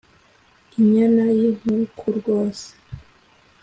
inyana y' inkuku rwose.